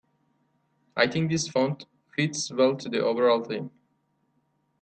I think this font fits well to the overall theme.